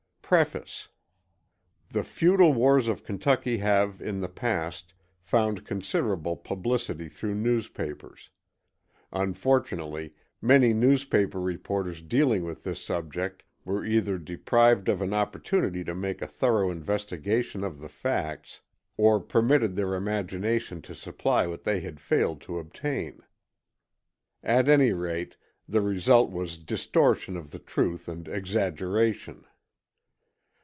PREFACE The feudal wars of Kentucky have, in the past, found considerable publicity through newspapers. Unfortunately, many newspaper reporters dealing with this subject were either deprived of an opportunity to make a thorough investigation of the facts, or permitted their imagination to supply what they had failed to obtain. At any rate, the result was distortion of the truth and exaggeration.